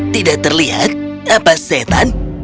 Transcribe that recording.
tidak terlihat apa setan